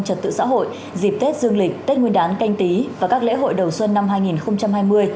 trật tự xã hội dịp tết dương lịch tết nguyên đán canh tí và các lễ hội đầu xuân năm hai nghìn hai mươi